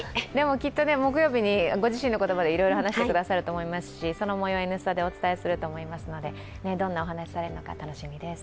きっと木曜日にご自身の言葉でいろいろ話してくださると思いますし、そのもようは「Ｎスタ」でお伝えすると思いますのでどんなお話しされるのか、楽しみです。